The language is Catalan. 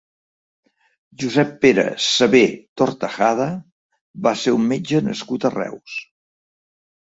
Josep Pere Savé Tortajada va ser un metge nascut a Reus.